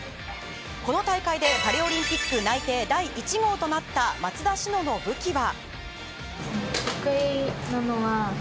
この大会でパリオリンピック内定第１号となった松田詩野の武器は。